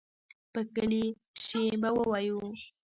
په کلي کښې به ووايو.